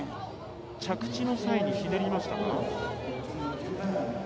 着地の際にひねりましたか？